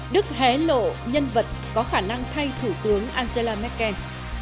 đức hé lộ nhân vật có khả năng thay thủ tướng angela merkel